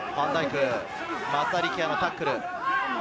松田力也のタックルです。